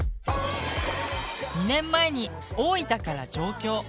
２年前に大分から上京。